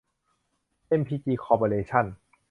เอ็มพีจี คอร์ปอเรชั่น